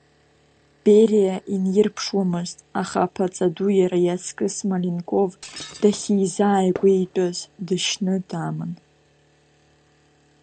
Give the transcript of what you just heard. Бериа инирԥшуамызт, аха Аԥаҵаду иара иаҵкыс Маленков дахьизааигәеитәыз дышьны даман.